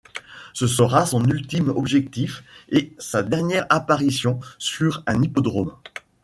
Ce sera son ultime objectif, et sa dernière apparition sur un hippodrome.